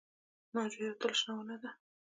ناجو یوه تل شنه ونه ده